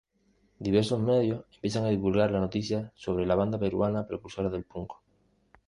Diversos medios empiezan a divulgar la noticia sobre la banda peruana precursora del punk.